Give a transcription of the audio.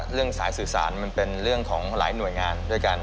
เรื่องสายสื่อสารมันเป็นเรื่องของหลายหน่วยงานด้วยกัน